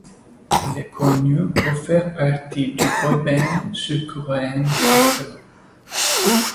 Il est connu pour faire partie du boys band sud-coréen Astro.